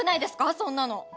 そんなの！